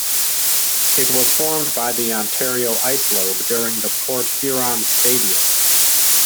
It was formed by the Ontario ice lobe during the Port Huron Stadial.